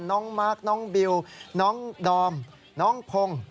มาร์คน้องบิวน้องดอมน้องพงศ์